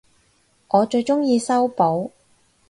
我最鍾意修補